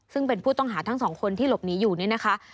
ซึ่งเป็นผู้ต้องหาทั้งสองคนที่หลบหนีอยู่นี่นะคะ